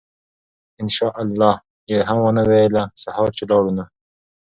إن شاء الله ئي هم ونه ويله!! سهار چې لاړو نو